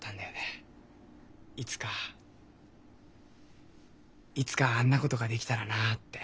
いつかいつかあんなことができたらなって。